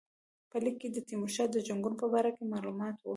په لیک کې د تیمورشاه د جنګونو په باره کې معلومات وو.